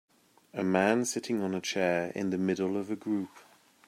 A man sitting on a chair in the middle of a group.